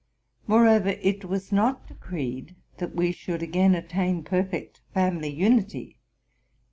Moreover, it was not decreed that we should again attain perfect family unity.